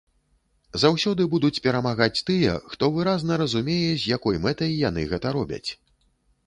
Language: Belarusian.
Заўсёды будуць перамагаць тыя, хто выразна разумее, з якой мэтай яны гэта робяць.